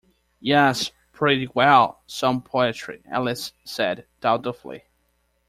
‘Yes, pretty well—some poetry,’ Alice said doubtfully.